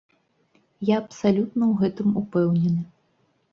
Я абсалютна ў гэтым упэўнены.